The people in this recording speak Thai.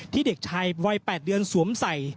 เด็กชายวัย๘เดือนสวมใส่